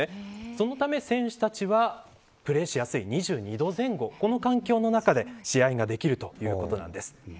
そのため選手たちはプレーしやすい２２度前後この環境の中で試合ができるということなんです。